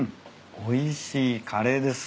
おいしいカレーです。